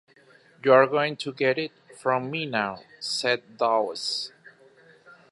“You’re going to get it from me now,” said Dawes.